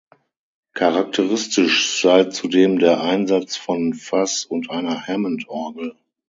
Charakteristisch sei zudem der Einsatz von Fuzz und einer Hammond-Orgel.